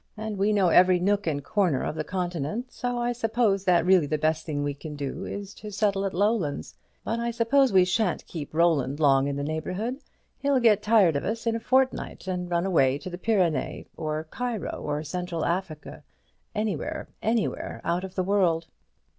And we know every nook and corner of the Continent. So I suppose that really the best thing we can do is to settle at Lowlands. But I suppose we sha'n't keep Roland long in the neighbourhood. He'll get tired of us in a fortnight, and run away to the Pyrenees, or Cairo, or Central Africa; 'anywhere, anywhere, out of the world!'"